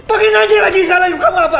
pakain aja lagi salah itu kamu apa